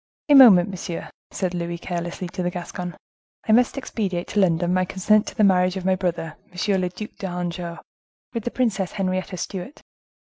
"A moment, monsieur," said Louis carelessly to the Gascon; "I must expedite to London my consent to the marriage of my brother, M. le Duc d'Anjou, with the Princess Henrietta Stuart."